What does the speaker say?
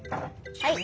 はい。